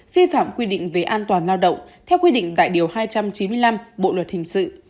vi phạm quy định về an toàn lao động theo quy định tại điều hai trăm chín mươi năm bộ luật hình sự